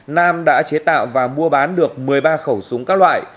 nam đã chế tạo và mua bán được một mươi ba khẩu súng các loại